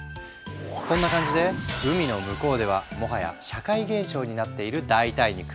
そんな感じで海の向こうではもはや社会現象になっている代替肉。